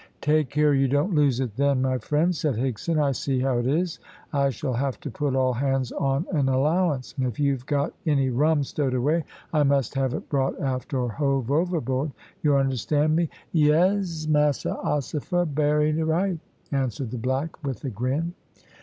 "Take care you don't lose it then, my friend," said Higson. "I see how it is. I shall have to put all hands on an allowance, and if you've got any rum stowed away I must have it brought aft or hove overboard. You understand me." "Yez, massa ossifer, berry right," answered the black, with a grin.